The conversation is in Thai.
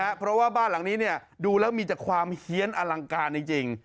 ได้เลยฮะเพราะว่าบ้านหลังนี้เนี่ยดูแล้วมีจากความเฮียนอลังการจริงจริง